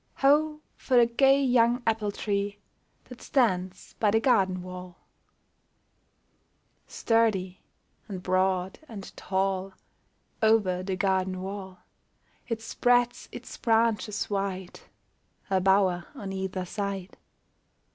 Ho ! for the gay young apple tree That stands by the garden wall ! Sturdy and broad and tall, Over the garden wall It spreads its branches wide — A bower on either side.